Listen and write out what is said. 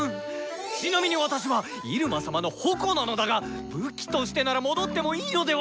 ちなみに私はイルマ様の矛なのだが武器としてなら戻ってもいいのでは？